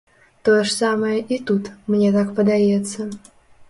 Тое ж самае і тут, мне так падаецца.